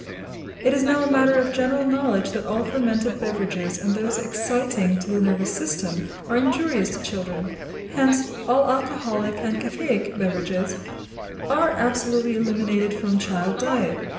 It is now a matter of general knowledge that all fermented beverages, and those exciting to the nervous system, are injurious to children; hence, all alcoholic and caffeic beverages are absolutely eliminated from child diet.